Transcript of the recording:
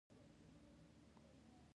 دوی داستانونه او فستیوالونه خپلوي.